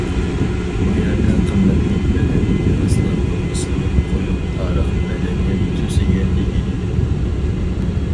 بۇ يەردە قىممەتلىك مەدەنىي مىراسلار بولمىسىمۇ، قويۇق تارىخ، مەدەنىيەت تۈسىگە ئىگە ئىدى.